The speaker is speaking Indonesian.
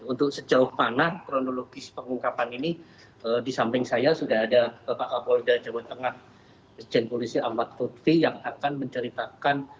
untuk sejauh mana kronologis pengungkapan ini di samping saya sudah ada pak kapolda jawa tengah presiden polisi ahmad kutvi yang akan menceritakan